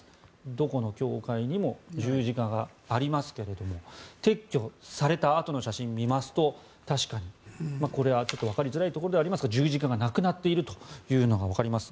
どこの教会にも十字架がありますけれども撤去されたあとの写真を見ますと確かに、これはちょっとわかりづらいところではありますが十字架がなくなっているというのがわかります。